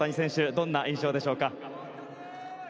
どんな印象でしょうか。